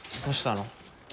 どうしたの？